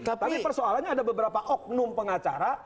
tapi persoalannya ada beberapa oknum pengacara